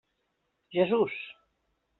Jesús!